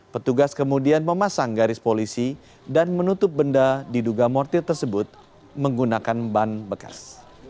petugas kemudian memasang garis polisi dan menutup benda diduga mortir tersebut menggunakan ban bekas